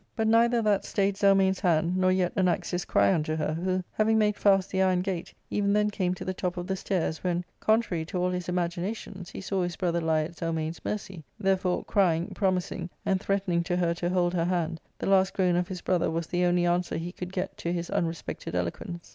But neither that stayed Zelmane's hand, nor yet Anaxius' cry unto her, who, having made fast the iron gate, even then came to the top of the stairs, when, contrary to all his imagi nations, he saw his brother lie at Zelmane's mercy ; therefore, crying, pi'omising, and threatening to her to hold her hand, the last groan of his brother was the only answer he could get to his unrespected eloquence.